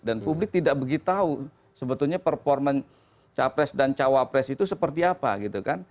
dan publik tidak begitu tahu sebetulnya performance capres dan cawapres itu apa